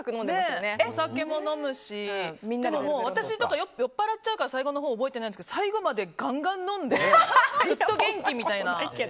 お酒も飲むし私とか酔っぱらうから最後のほう覚えてないんですけど最後までガンガン飲んでずっと元気みたいな。